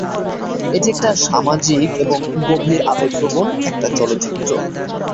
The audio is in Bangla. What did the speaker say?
এটি একটি সামাজিক এবং গভীর আবেগপ্রবণ একটি চলচ্চিত্র।